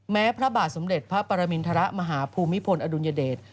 พระบาทสมเด็จพระปรมินทรมาหาภูมิพลอดุลยเดช